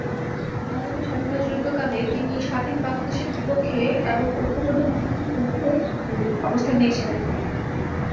বাংলাদেশের স্বাধীনতা যুদ্ধ কালে তিনি স্বাধীন বাংলাদেশের বিপক্ষে এবং ঐক্যবদ্ধ পাকিস্তানের পক্ষে অবস্থান নিয়েছিলেন।